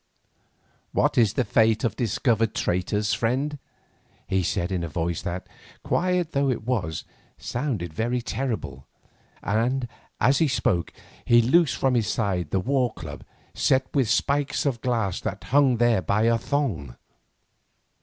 "What is the fate of discovered traitors, friend?" he said in a voice that, quiet though it was, sounded very terrible; and, as he spoke, he loosed from his side the war club set with spikes of glass that hung there by a thong.